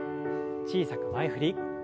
小さく前振り。